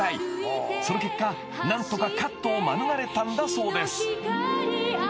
［その結果何とかカットを免れたんだそうです］